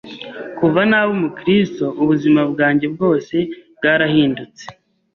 Kuva naba umukristo ubuzima bwanjye bwose bwarahindutse